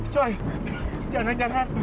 coy jangan jangan